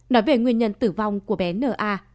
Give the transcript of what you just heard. nói về nguyên nhân tử vong của bé n a